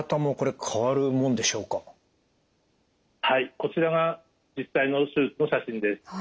こちらが実際の手術の写真です。